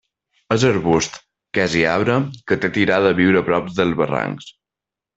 És arbust, quasi arbre, que té tirada a viure a prop dels barrancs.